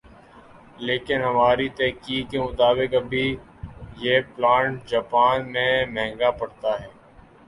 لیکن ہماری تحقیق کے مطابق ابھی یہ پلانٹ جاپان میں مہنگا پڑتا ھے